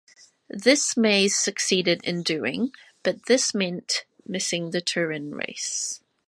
This Mays succeeded in doing, but this meant missing the Turin race.